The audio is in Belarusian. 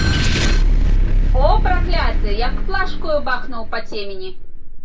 О, пракляты, як плашкаю бахнуў па цемені.